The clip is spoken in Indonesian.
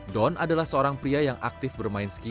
don adalah seorang pria yang aktif bermain skil